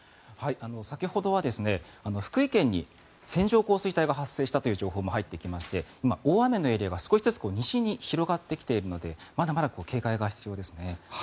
先ほどは福井県に線状降水帯が発生したという情報も入ってきまして今、大雨のエリアが少しずつ西に広がってきているのでまだまだ警戒が必要ですね。